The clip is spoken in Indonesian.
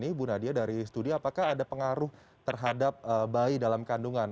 ibu nadia dari studi apakah ada pengaruh terhadap bayi dalam kandungan